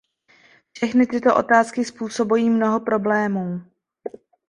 Všechny tyto otázky způsobují mnoho problémů.